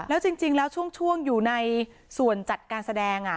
แล้วจริงแล้วช่วงอยู่ในส่วนจัดการแสดง